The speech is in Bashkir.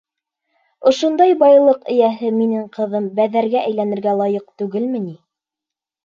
Ошондай байлыҡ эйәһе минең ҡыҙым Бәҙәргә әйләнергә лайыҡ түгелме ни?